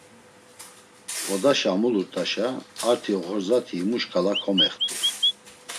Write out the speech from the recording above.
Odaşa amulurt̆aşa arti oxorzati himu şǩala komext̆u.